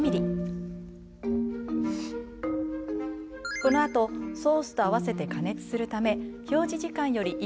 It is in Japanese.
このあとソースと合わせて加熱するためはい